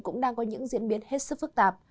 cũng đang có những diễn biến hết sức phức tạp